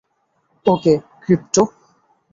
ওকে, crypto.